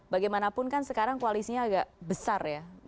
bagaimanapun kan sekarang koalisinya agak besar ya